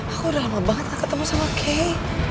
aku udah lama banget gak ketemu sama kay